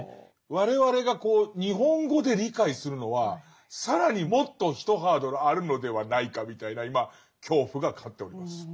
我々が日本語で理解するのは更にもっとひとハードルあるのではないかみたいな今恐怖が勝っております。